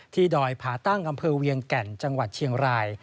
ดอยผาตั้งอำเภอเวียงแก่นจังหวัดเชียงราย